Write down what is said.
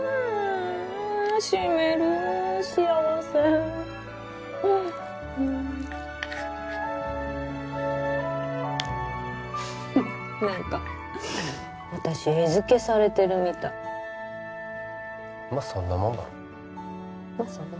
しみる幸せ何か私餌付けされてるみたいまっそんなもんだろ